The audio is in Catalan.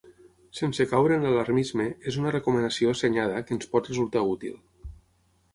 Sense caure en l’alarmisme, és una recomanació assenyada que ens pot resultar útil.